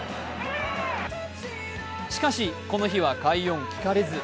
しかし、この日は快音聞かれず。